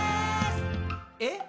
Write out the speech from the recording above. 「え？